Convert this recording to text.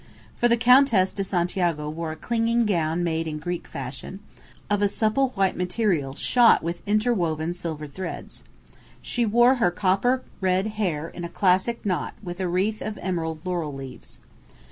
For the Countess de Santiago wore a clinging gown made in Greek fashion, of a supple white material shot with interwoven silver threads. She wore her copper red hair in a classic knot with a wreath of emerald laurel leaves.